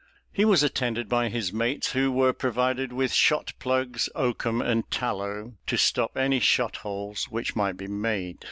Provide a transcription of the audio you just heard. He was attended by his mates, who were provided with shot plugs, oakum, and tallow, to stop any shot holes which might be made.